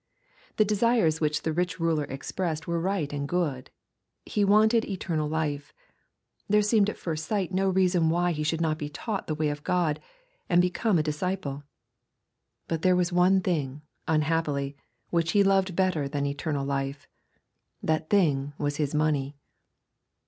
The desires which the rich ruler expressed were right and good. He wanted "eternal life." There seemed at first sight no reason why he should not be taught the way of God, and become a dis ciple. But there was one_thing^ unhappily, which he loved better than "eternal hfe." That thing was his money.